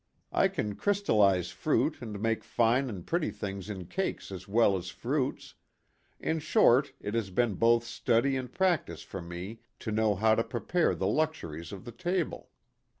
I can crystallize fruit and make fine and pretty things in cakes as well as fruits in short it has been both study and practice for me to know how to prepare the luxuries of the table.